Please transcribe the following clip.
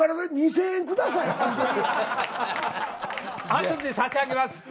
後で差し上げます。